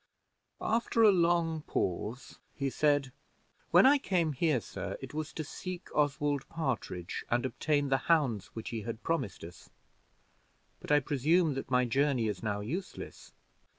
After a long pause, he said: "When I came here, sir, it was to seek Oswald Partridge, and obtain the hounds which he had promised us; but I presume that my journey is now useless."